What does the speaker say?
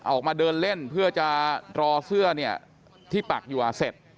ออกมาเดินเล่นเพื่อจะรอเสื้อเนี่ยที่ปักอยู่เสร็จ